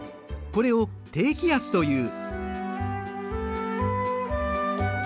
これを高気圧という。